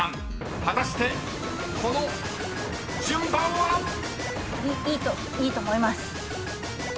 ［果たしてこの順番は⁉］いいといいと思います。